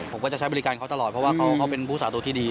ผมก็จะใช้บริการเขาตลอดเพราะว่าเขาเป็นผู้สาตัวที่ดี